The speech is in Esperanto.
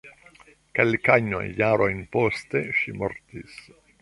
Kelkajn jarojn poste ŝi mortis.